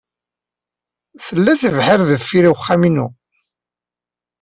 Tella tebḥirt deffir uxxam-inu.